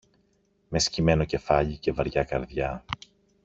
Με σκυμμένο κεφάλι και βαριά καρδιά